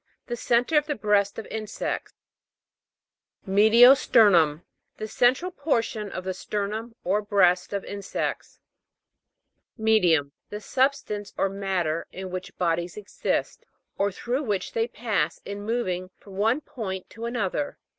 The centre of the breast of insects. See p. 15. ME'DIO STER'NUM. The central por tion of the sternum or breast of insects. ME'DIUM. The substance or matter in which bodies exist, or through which they pass in moving from one point to another.